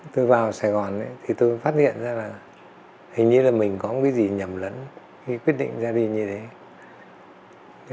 tôi vào sài gòn thì tôi phát hiện ra là hình như là mình có một cái gì nhầm lẫn cái quyết định ra đi như thế